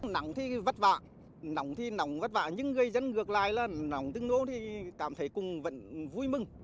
nắng thì vất vả nóng thì nóng vất vả nhưng gây dân ngược lại là nóng tương đối thì cảm thấy cùng vận vui mừng